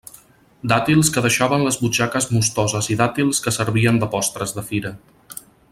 Dàtils que deixaven les butxaques mostoses i dàtils que servien de postres de fira.